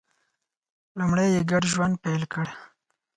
لومړی یې ګډ ژوند پیل کړ.